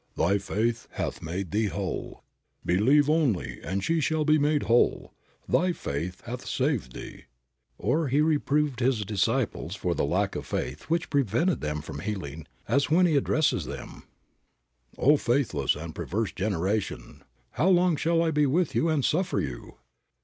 "Thy faith hath made thee whole," "Believe only and she shall be made whole," "Thy faith hath saved thee." Or He reproved His disciples for the lack of faith which prevented them from healing, as when He addresses them, "O faithless and perverse generation, how long shall I be with you and suffer you."